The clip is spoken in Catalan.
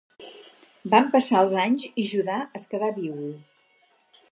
Van passar els anys i Judà es quedà vidu.